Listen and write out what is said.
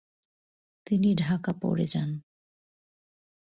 তিনি ঢাকা পড়ে যান।